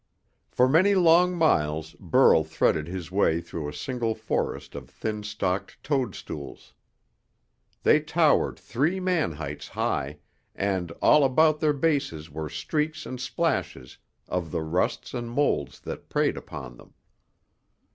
For many long miles Burl threaded his way through a single forest of thin stalked toadstools. They towered three man heights high, and all about their bases were streaks and splashes of the rusts and moulds that preyed upon them.